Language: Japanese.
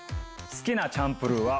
好きなチャンプルーは。